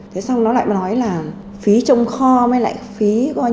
thế xong nó lại nói là phí trong kho mới lại phí